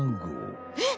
えっ？